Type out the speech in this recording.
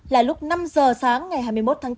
là lúc năm giờ sáng ngày hai mươi một tháng bốn